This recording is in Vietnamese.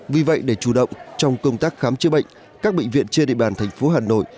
vì vậy để chủ động trong công tác khám chữa bệnh các bệnh viện trên địa bàn thành phố hà nội